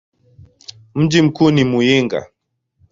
Mji mkuu ni Muyinga.